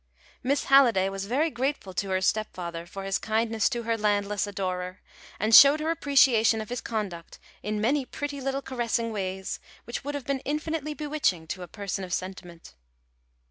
Miss Halliday was very grateful to her stepfather for his kindness to her landless adorer, and showed her appreciation of his conduct in many pretty little caressing ways, which would have been infinitely bewitching to a person of sentiment.